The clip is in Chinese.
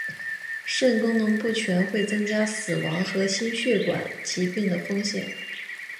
肾功能不全会增加死亡和心血管疾病的风险。